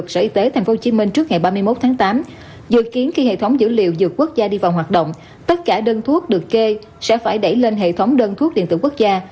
sở y tế tp hcm trước ngày ba mươi một tháng tám dự kiến khi hệ thống dữ liệu dược quốc gia đi vào hoạt động tất cả đơn thuốc được kê sẽ phải đẩy lên hệ thống đơn thuốc điện tử quốc gia